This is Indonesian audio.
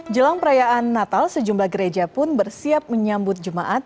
jelang perayaan natal sejumlah gereja pun bersiap menyambut jemaat